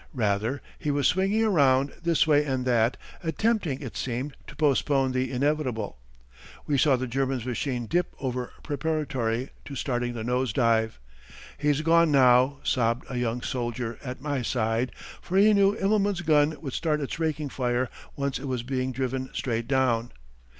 Rather he was swinging around, this way and that, attempting, it seemed, to postpone the inevitable. We saw the German's machine dip over preparatory to starting the nose dive. "He's gone now," sobbed a young soldier, at my side, for he knew Immelman's gun would start its raking fire once it was being driven straight down.